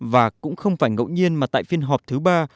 và cũng không phải ngẫu nhiên mà tại phiên họp thứ ba